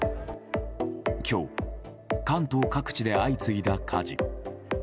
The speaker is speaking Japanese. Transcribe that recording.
今日、関東各地で相次いだ火事。